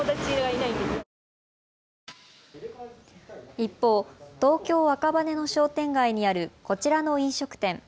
一方、東京赤羽の商店街にあるこちらの飲食店。